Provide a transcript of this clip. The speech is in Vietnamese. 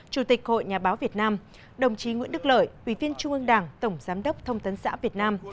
chủ tịch hội nhà báo việt nam đồng chí nguyễn đức lợi ủy viên trung ương đảng tổng giám đốc thông tấn xã việt nam